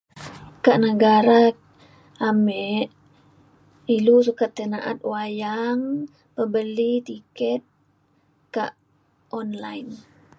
kak negara ame ilu sukat tai na’at wayang bebeli tiket kak online